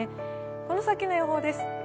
この先の予報です。